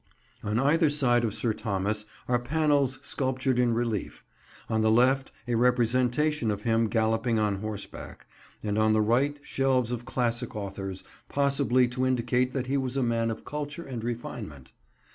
On either side of Sir Thomas are panels sculptured in relief: on the left a representation of him galloping on horseback, and on the right shelves of classic authors, possibly to indicate that he was a man of culture and refinement.